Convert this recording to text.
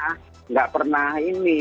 tidak pernah ini